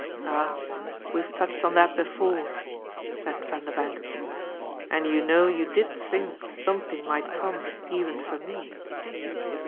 "Ah we've touched on that before," said Vanderbank, "and you know you did think something might come even for me."